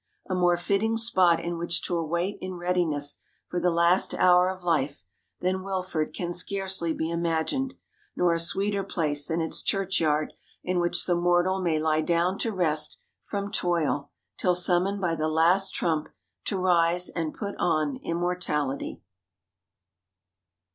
A more fitting spot in which to await in readiness for the last hour of life than Wilford can scarcely be imagined, nor a sweeter place than its church yard in which the mortal may lie down to rest from toil till summoned by the last trump to rise and put on immortality.